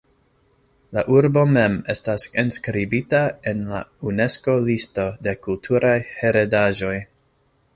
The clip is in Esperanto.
La urbo mem estas enskribita en la Unesko-listo de kulturaj heredaĵoj.